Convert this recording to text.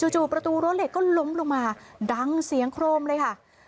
จู่ประตูรั้วเหล็กก็ล้มลงมาดังเสียงโครมเลยค่ะ